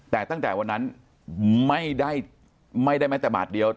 แต่ตั้งแต่วันนั้นไม่ได้แม้แต่บาทเดียว